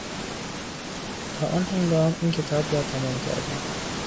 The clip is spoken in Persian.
تا آن هنگام این کتاب را تمام کردهام.